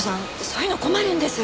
そういうの困るんです。